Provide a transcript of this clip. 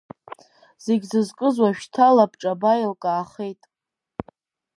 Зегь зызкыз уажәшьҭа лабҿаба еилкаахеит.